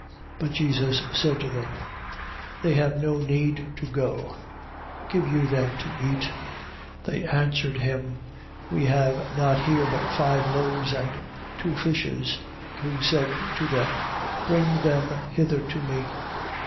14:16. But Jesus said to them, They have no need to go: give you them to eat. 14:17. They answered him: We have not here, but five loaves, and two fishes. 14:18. Who said to them: Bring them hither to me.